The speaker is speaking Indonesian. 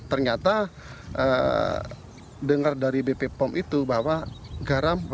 ternyata dengar dari bp pom itu bahwa garam